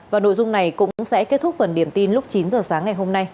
và nội dung này cũng sẽ kết thúc phần điểm tin lúc chín h sáng ngày hôm nay